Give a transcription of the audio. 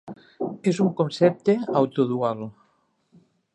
És un concepte autodual.